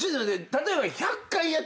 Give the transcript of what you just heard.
例えば。